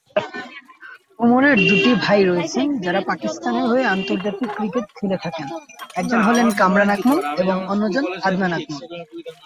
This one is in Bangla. উমরের দুটি ভাই রয়েছেন যারা পাকিস্তানের হয়ে আন্তর্জাতিক ক্রিকেট খেলে থাকেন; একজন হলেন কামরান আকমল এবং অন্যজন আদনান আকমল।